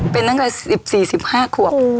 เป็นนั่งใน๑๔๑๕ควบ